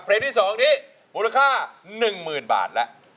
เพลงที่๒นี้มูลค่า๑๐๐๐บาทแล้ว